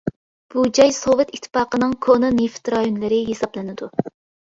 بۇ جاي سوۋېت ئىتتىپاقىنىڭ كونا نېفىت رايونلىرى ھېسابلىنىدۇ.